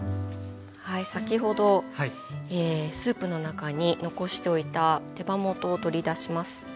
先ほどスープの中に残しておいた手羽元を取り出します。